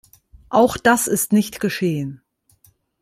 Auch das ist nicht geschehen.